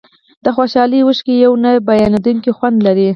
د خوشحالۍ اوښکې یو نه بیانېدونکی خوند لري.